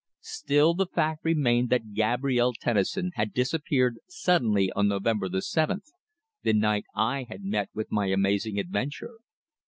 Still the fact remained that Gabrielle Tennison had disappeared suddenly on November the seventh, the night I had met with my amazing adventure.